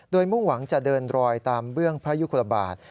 โดยมุ่งหวังจะเดินรอยตามเบื้องพระยุคลบาท